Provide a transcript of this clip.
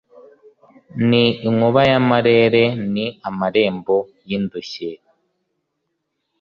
Ni inkuba y' amarere, Ni marembo y' indushyi;